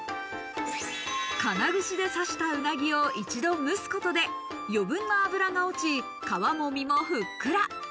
金串で刺したウナギを一度蒸すことで余分な脂が落ち、皮も身もふっくら。